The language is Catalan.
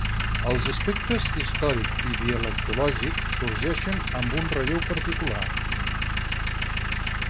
Els aspectes històric i dialectològic sorgeixen amb un relleu particular.